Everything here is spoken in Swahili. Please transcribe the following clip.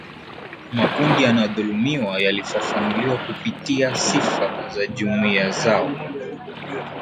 makundi yanayodhulumiwa yalifafanuliwa kupitia sifa za jumuiya zao